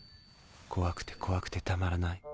怖くて怖くてたまらない。